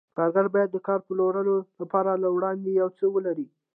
کارګر باید د کار پلورلو لپاره له وړاندې یو څه ولري